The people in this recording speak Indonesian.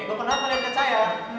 eh gue pernah pake leketnya